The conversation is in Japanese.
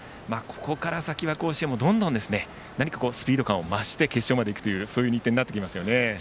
ここから先は甲子園もどんどん何かスピード感を増して決勝までいくという日程になっていきますね。